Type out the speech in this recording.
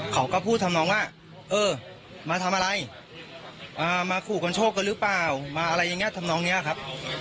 เขาก็พูดทำนองว่าเออมาทำอะไรมาขู่กันโชคกันหรือเปล่ามาอะไรอย่างนี้ทำนองนี้ครับ